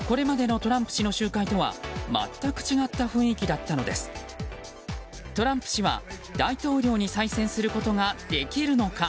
トランプ氏は大統領に再選することができるのか。